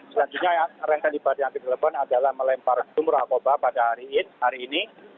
selanjutnya rangkaian ibadah yang dikelepon adalah melempar jumrah akobah pada hari